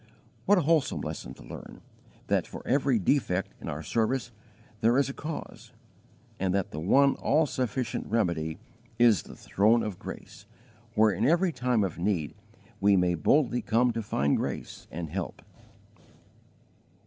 What a wholesome lesson to learn, that for every defect in our service there is a cause, and that the one all sufficient remedy is the throne of grace, where in every time of need we may boldly come to find grace and help!